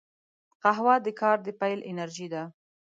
قهوه د کار د پیل انرژي ده